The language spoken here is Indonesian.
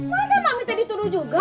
masa mami teh dituduh juga